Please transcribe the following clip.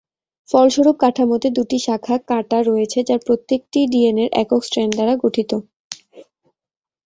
ফলস্বরূপ কাঠামোতে দুটি শাখা "কাঁটা" রয়েছে, যার প্রত্যেকটিই ডিএনএর একক স্ট্র্যান্ড দ্বারা গঠিত।